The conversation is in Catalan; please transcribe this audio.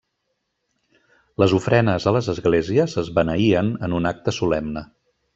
Les ofrenes a les esglésies es beneïen en un acte solemne.